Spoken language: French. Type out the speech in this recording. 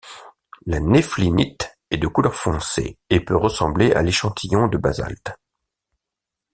La néphlinite est de couleur foncée et peut ressembler à l'échantillon de basalte.